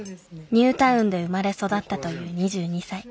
ニュータウンで生まれ育ったという２２歳。